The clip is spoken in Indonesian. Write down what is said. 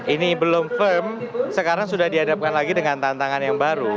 ini belum firm sekarang sudah dihadapkan lagi dengan tantangan yang baru